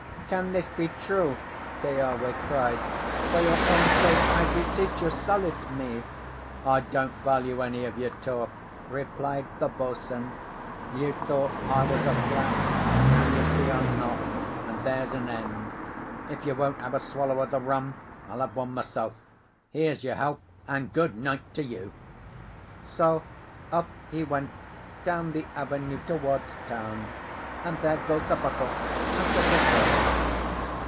"Can this be true?" Keawe cried. "For your own sake, I beseech you, sell it me!" "I don't value any of your talk," replied the boatswain. "You thought I was a flat; now you see I'm not; and there's an end. If you won't have a swallow of the rum, I'll have one myself. Here's your health, and good night to you!" So off he went down the avenue towards town, and there goes the bottle out of the story.